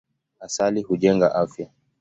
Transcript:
Asali hujenga afya.